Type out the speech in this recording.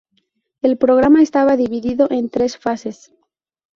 El programa estaba dividido en tres fases.